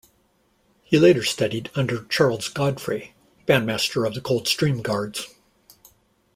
He later studied under Charles Godfrey, bandmaster of the Coldstream Guards.